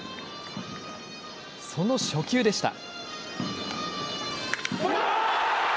その初球でした。